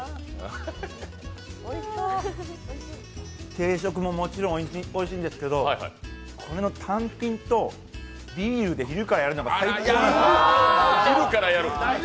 定食ももちろんおいしいんですけど、これの単品とビールで昼からやるのが最高なんです。